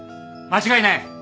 間違いない。